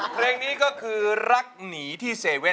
เพลงนี้ก็คือรักหนีที่๗๑๑